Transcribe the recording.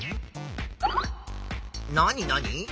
なになに？